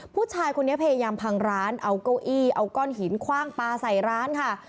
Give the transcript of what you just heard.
ผู้ชายคนนี้พยายามพังร้านเอาเก้าอี้เอาก้อนหินคว่างปลาใส่ร้านค่ะ